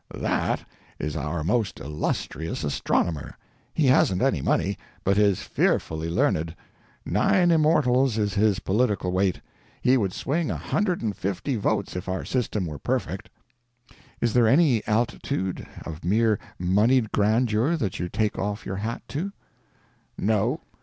"That is our most illustrious astronomer. He hasn't any money, but is fearfully learned. Nine immortals is his political weight! He would swing a hundred and fifty votes if our system were perfect." "Is there any altitude of mere moneyed grandeur that you take off your hat to?" "No.